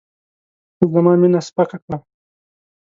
تا زما مینه سپکه کړه.